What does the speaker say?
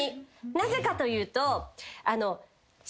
なぜかというと。